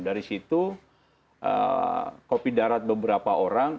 dari situ kopi darat beberapa orang